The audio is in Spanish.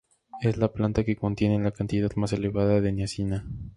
Es la planta que contiene la cantidad más elevada de niacina.